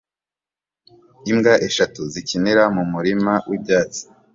Imbwa eshatu zikinira mu murima wibyatsi